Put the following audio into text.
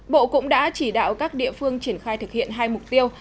bộ cũng đã chỉ đạo các địa phương triển khai thực hiện hai mục tiêu